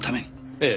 ええ。